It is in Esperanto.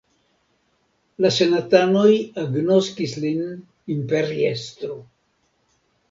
La senatanoj agnoskis lin imperiestro.